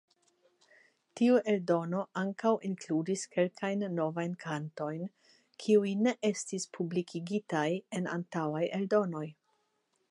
Tiu eldono ankaŭ inkludis kelkajn novajn kantojn kiuj ne estis publikigitaj en antaŭaj eldonoj.